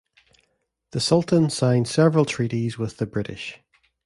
The Sultan signed several treaties with the British.